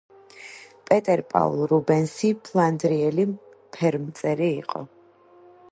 პეტერ პაულ რუბენსი ფლანდრიელი ფერმწერი იყო.